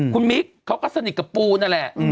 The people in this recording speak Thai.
คุณมิ๊กเขาก็สนิทกับปูนั่นแหละ